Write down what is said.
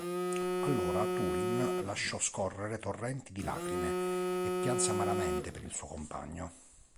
Allora Túrin lasciò scorrere torrenti di lacrime, e pianse amaramente per il suo compagno.